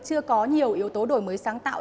chưa có nhiều yếu tố đổi mới sáng tạo